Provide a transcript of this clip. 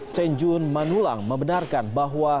senjun manulang membenarkan bahwa